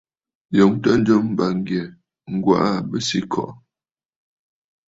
Ǹyòŋtə njɨm bàŋgyɛ̀, Ŋ̀gwaa Besǐkɔ̀ʼɔ̀.